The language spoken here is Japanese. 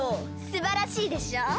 すばらしいでしょ？